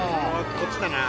こっちだな。